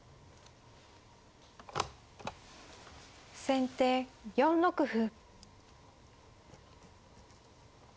先手４六歩。